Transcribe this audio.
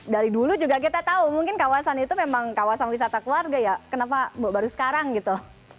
dari dulu juga kita tahu mungkin kawasan itu memang kawasan wisata keluarga ya kenapa baru sekarang gitu